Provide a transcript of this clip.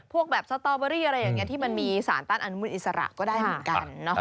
พวกแบบสตอเบอรี่อะไรอย่างนี้ที่มันมีสารต้านอนุมูลอิสระก็ได้เหมือนกัน